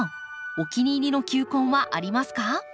お気に入りの球根はありますか？